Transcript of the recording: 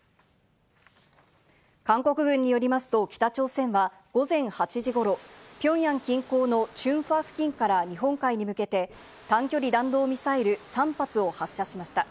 韓国軍によりますと、北朝鮮は午前８時ごろ、ピョンヤン近郊のチュンファ付近から日本海に向けて、短距離弾道ミサイル３発を発射しました。